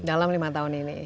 dalam lima tahun ini